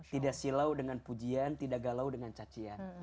tidak silau dengan pujian tidak galau dengan cacian